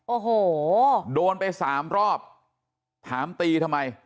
โอ้โหโดนไปสามรอบถามตีทำไม